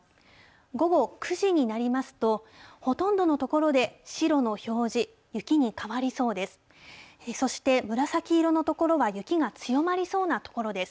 午後９時になりますと、ほとんどの所で白の表示、雪に変わりそうです。